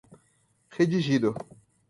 redigido